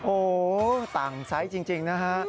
โอ้โหต่างไซส์จริงนะฮะ